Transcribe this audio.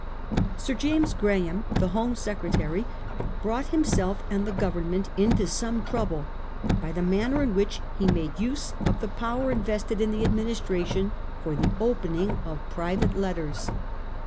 Sir James Graham, the Home Secretary, brought himself and the Government into some trouble by the manner in which he made use of the power invested in, the Ad mi nistration for the opening of private letters.